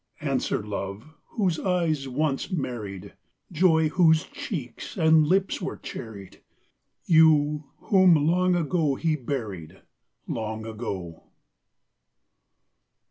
Answer, love, whose eyes once merried! Joy, whose cheeks and lips were cherried! You, whom long ago he buried, Long ago.